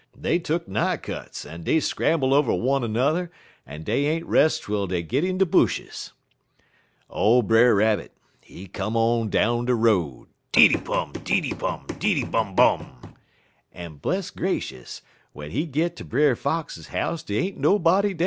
"Dey tuck nigh cuts, en dey scramble over one er 'n'er, en dey ain't res' twel dey git in de bushes. "Ole Brer Rabbit, he came on down de road diddybum, diddybum, diddybum bum bum en bless gracious! w'en he git ter Brer Fox house dey ain't nobody dar.